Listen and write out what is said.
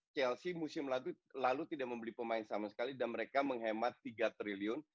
chelsea musim lalu tidak membeli pemain sama sekali dan mereka menghemat tiga triliun